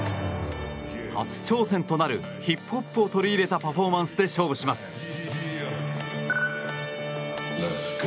初挑戦となるヒップホップを取り入れたパフォーマンスで勝負します。